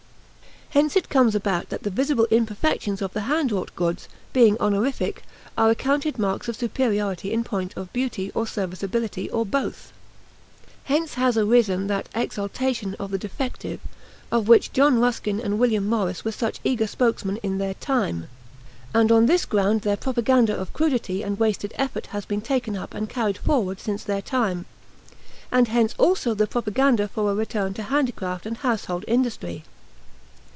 Hence it comes about that the visible imperfections of the hand wrought goods, being honorific, are accounted marks of superiority in point of beauty, or serviceability, or both. Hence has arisen that exaltation of the defective, of which John Ruskin and William Morris were such eager spokesmen in their time; and on this ground their propaganda of crudity and wasted effort has been taken up and carried forward since their time. And hence also the propaganda for a return to handicraft and household industry.